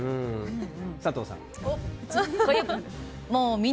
佐藤さん。